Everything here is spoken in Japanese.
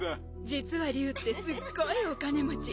実は竜ってすっごいお金持ち。